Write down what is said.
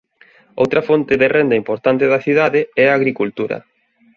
Outra fonte de renda importante da cidade é a agricultura.